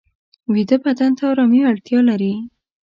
ویده بدن ته آرامي اړتیا لري